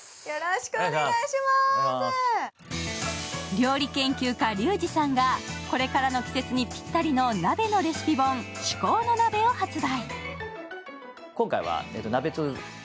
料理研究家リュウジさんがこれからの季節にぴったりの鍋のレシピ本「至高の鍋」を発売。